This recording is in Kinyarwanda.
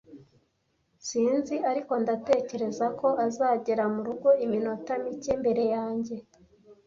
"Sinzi, ariko ndatekereza ko azagera mu rugo iminota mike mbere yanjye."